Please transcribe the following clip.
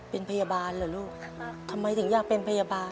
เป็นพยาบาลเหรอลูกทำไมถึงอยากเป็นพยาบาล